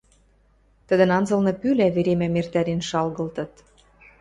тӹдӹн анзылны пӱлӓ веремӓм эртӓрен шалгылтыт